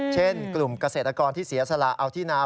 เช่นกลุ่มเกษตรกรที่เสียสละเอาที่นา